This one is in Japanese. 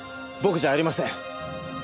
僕じゃありません！